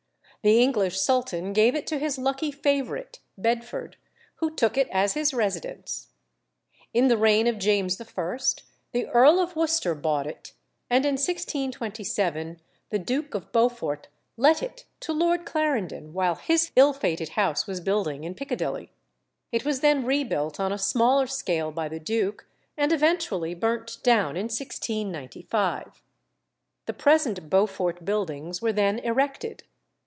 The English sultan gave it to his lucky favourite, Bedford, who took it as his residence. In the reign of James I. the Earl of Worcester bought it; and in 1627 the Duke of Beaufort let it to Lord Clarendon, while his ill fated house was building in Piccadilly. It was then rebuilt on a smaller scale by the duke, and eventually burnt down in 1695. The present Beaufort Buildings were then erected.